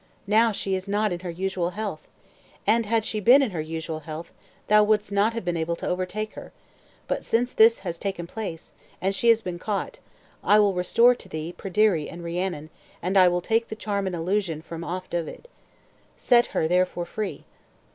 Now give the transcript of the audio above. Now she is not in her usual health. And had she been in her usual health, thou wouldst not have been able to overtake her; but since this has taken place, and she has been caught, I will restore to thee Pryderi and Rhiannon, and I will take the charm and illusion from off Dyved. Set her therefore free."